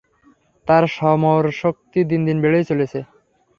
তার সমরশক্তি দিন দিন বেড়েই চলেছে।